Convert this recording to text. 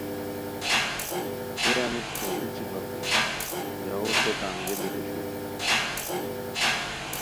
ہے انوس غیڑوچی بپو ژاؤو ٹیکہ انگیئلیک اوشوئے